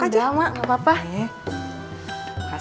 ya udah deh